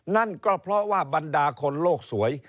นั่นก็เพราะว่าบรรดาคนโลกสวย